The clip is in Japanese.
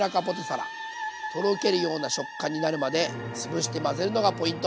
とろけるような食感になるまでつぶして混ぜるのがポイント。